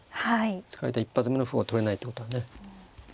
突かれた一発目の歩を取れないってことはね。